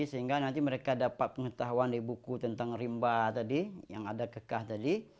sehingga nanti mereka dapat pengetahuan di buku tentang rimba tadi yang ada kekah tadi